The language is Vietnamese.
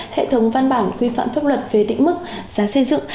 hệ thống văn bản quy phạm pháp luật về định mức giá xây dựng